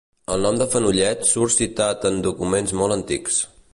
El nom de Fenollet surt citat en documents molt antics.